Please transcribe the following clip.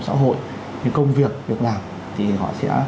xã hội những công việc được làm thì họ sẽ